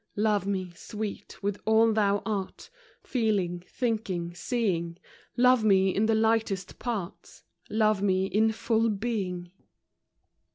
T OVE me, sweet, with all thou art, Feeling, thinking, seeing,— Love me in the lightest part, Love me in full being.